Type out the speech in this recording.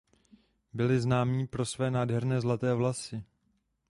Byli známí pro své nádherné zlaté vlasy.